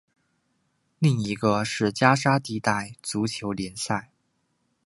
另一个是加沙地带足球联赛。